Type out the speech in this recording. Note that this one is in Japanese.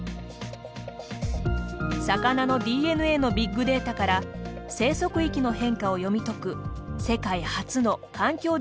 魚のＤＮＡのビッグデータから生息域の変化を読み解く世界初の環境